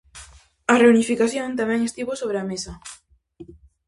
A reunificación tamén estivo sobre a mesa.